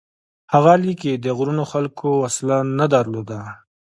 هغه لیکي: د غرونو خلکو وسله نه درلوده،